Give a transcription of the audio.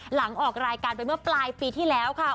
หลังออกรายการไปเมื่อปลายปีที่แล้วค่ะ